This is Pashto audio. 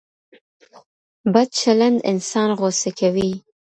بد چلند انسان غوسه کوي.